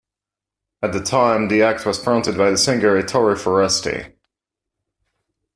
At the time, the act was fronted by the singer Ettore Foresti.